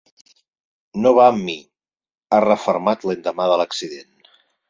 No va amb mi, ha refermat l’endemà de l’incident.